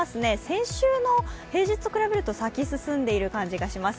先週の平日と比べると咲き進んでいる感じがします。